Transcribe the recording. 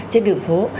trên đường phố